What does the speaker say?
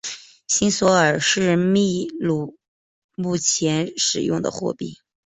新索尔是秘鲁目前使用的货币。